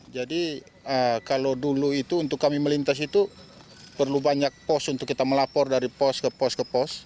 jadi kalau dulu itu untuk kami melintas itu perlu banyak pos untuk kita melapor dari pos ke pos ke pos